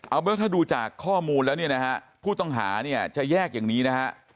เอาเมื่อถ้าดูจากข้อมูลแล้วเนี่ยนะฮะผู้ต้องหาเนี่ยจะแยกอย่างนี้นะฮะ